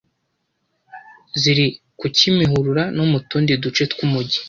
ziri ku Kimihurura no mu tundi duce tw’umujyi